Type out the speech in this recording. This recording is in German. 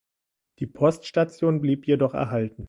Die Poststation blieb jedoch erhalten.